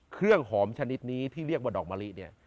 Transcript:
เครื่องหอมชนิดนี้ที่เรียกว่าดอกมะลิเนี่ย